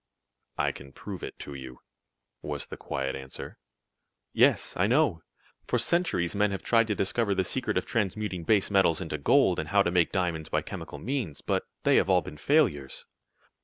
"I can prove it to you," was the quiet answer. "Yes, I know. For centuries men have tried to discover the secret of transmuting base metals into gold, and how to make diamonds by chemical means. But they have all been failures."